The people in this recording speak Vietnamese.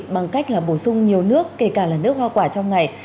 bằng cách là bổ sung nhiều nước kể cả là nước hoa quả trong ngày